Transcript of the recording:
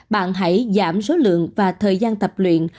bạn hãy giảm số lượng và thời gian tập luyện